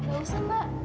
nggak usah mbak